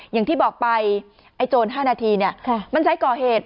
อย่างที่บอกไปไอ้โจน๕นาทีเนี่ย